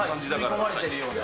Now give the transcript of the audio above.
包み込まれてるような。